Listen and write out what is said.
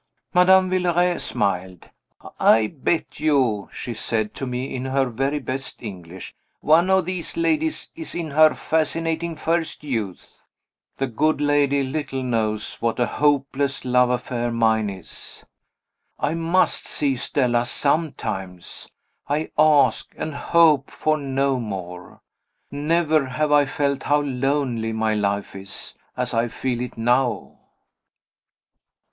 Madame Villeray smiled. "I bet you," she said to me in her very best English, "one of these ladies is in her fascinating first youth." The good lady little knows what a hopeless love affair mine is. I must see Stella sometimes I ask, and hope for, no more. Never have I felt how lonely my life is, as I feel it now.